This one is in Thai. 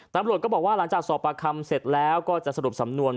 ตำรวจก็บอกว่าหลังจากสอบปากคำเสร็จแล้วก็จะสรุปสำนวน